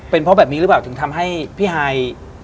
เป็นเพราะแบบนี้หรือเปล่าถึงทำให้พี่ฮาย